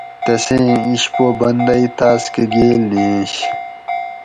تسیں اِشپو بندئی تاۤس کہ گیل نِئینش